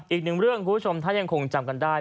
อีกหนึ่งเรื่องคุณผู้ชมถ้ายังคงจำกันได้